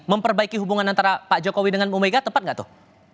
memperbaiki hubungan antara pak jokowi dengan bu mega tepat nggak tuh